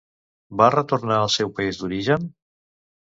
Va retornar al seu país d'origen?